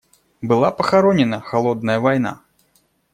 Была похоронена "холодная война".